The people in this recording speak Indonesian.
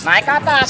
naik ke atas